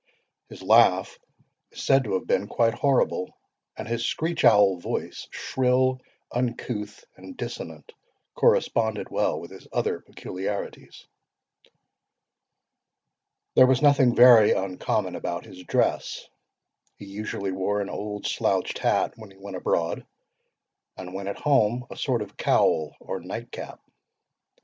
His laugh is said to have been quite horrible; and his screech owl voice, shrill, uncouth, and dissonant, corresponded well with his other peculiarities. "There was nothing very uncommon about his dress. He usually wore an old slouched hat when he went abroad; and when at home, a sort of cowl or night cap.